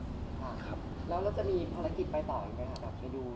แล้วจะมีภาระกิจต่อไหม